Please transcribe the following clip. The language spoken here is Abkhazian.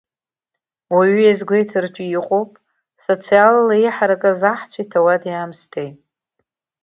Уаҩы иазгәеиҭартә иҟоуп, социалла иҳаракыз аҳцәеи ҭауади-аамсҭеи…